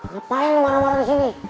ngapain lu marah marah disini